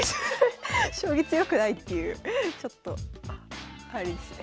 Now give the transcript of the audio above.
将棋強くないっていうちょっとあれですね。